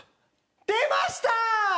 出ました